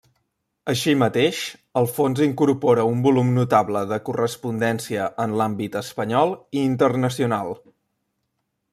Així mateix, el fons incorpora un volum notable de correspondència en l'àmbit espanyol i internacional.